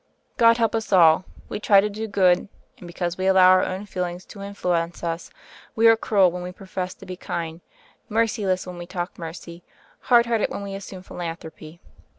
God help us all : we try to do good, and because we allow our own feelings to influence us, we are cruel when we profess to be kind, merciless when we talk mercy, hard hearted when we assume philanthropy.